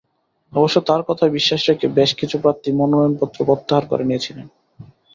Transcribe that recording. অবশ্য তাঁর কথায় বিশ্বাস রেখে বেশ কিছু প্রার্থী মনোনয়নপত্র প্রত্যাহার করে নিয়েছিলেন।